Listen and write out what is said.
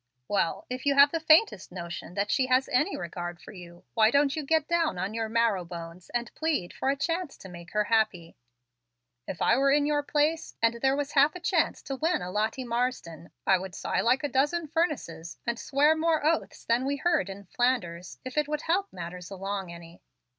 "Well, if you have the faintest notion that she has any regard for you, why don't you get down on your marrow bones and plead for a chance to make her happy? If I were in your place, and there was half a chance to win a Lottie Marsden, I would sigh like a dozen furnaces, and swear more oaths than were heard in Flanders, if it would help matters along any."